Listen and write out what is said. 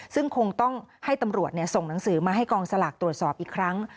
ซึ่งคงต้องให้ตำรวจส่งหนังสือมาให้กองสลากตรวจสอบอีกครั้ง